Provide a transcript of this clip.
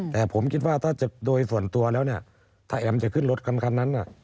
แต่ผมคิดว่าถ้าโดยส่วนตัวแล้วเนี่ยถ้าแอมจะขึ้นรถคันนั้น